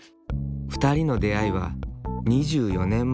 ２人の出会いは２４年前。